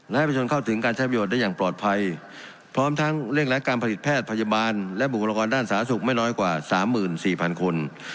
และให้ประชนเข้าถึงการใช้ประโยชน์ได้อย่างปลอดภัยพร้อมทั้งเร่งรัดการผลิตแพทย์พยาบาลและบุคลากรด้านสาธารณสุขไม่น้อยกว่าสามหมื่นสี่พันคน